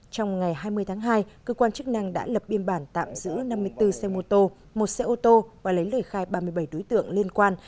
trong ngày hai mươi tháng hai cơ quan chức năng đã lập biên bản tạm giữ năm mươi bốn xe mô tô một xe ô tô và lấy lời khai ba mươi bảy đối tượng liên quan